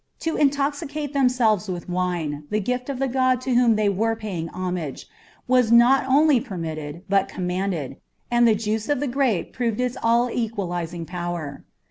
To intoxicate themselves with wine, the gift of the god to whom they were paying homage, was not only permitted, but commanded, and the juice of the grape proved its all equalizing power.